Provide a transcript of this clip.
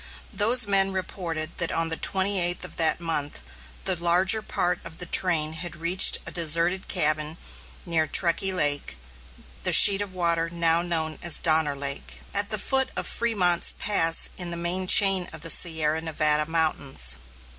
Those men reported that on the twenty eighth of that month the larger part of the train had reached a deserted cabin near Truckee Lake (the sheet of water now known as Donner Lake) at the foot of Frémont's Pass in the main chain of the Sierra Nevada Mountains.